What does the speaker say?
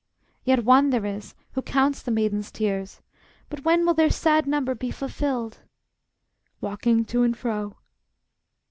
] Yet One there is, who counts the maiden's tears; But when will their sad number be fulfilled? [Walking to and fro.